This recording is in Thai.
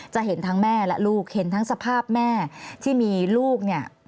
จะเห็นทั้งแม่และลูกเห็นทั้งสภาพแม่ที่มีลูกเนี่ย